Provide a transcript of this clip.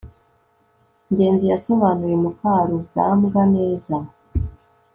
ngenzi yasobanuye mukarugambwa neza